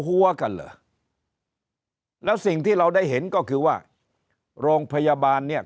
หัวกันเหรอแล้วสิ่งที่เราได้เห็นก็คือว่าโรงพยาบาลเนี่ย